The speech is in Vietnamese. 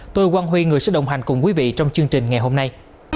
tôi quang huy người sẽ đồng hành cùng quý vị trong chương trình ngày hôm nay